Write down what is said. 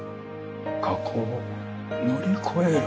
過去を乗り越える。